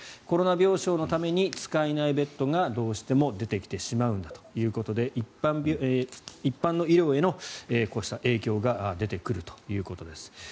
コロナ病床のために使えないベッドがどうしても出てきてしまうんだということで一般の医療へのこうした影響が出てくるということです。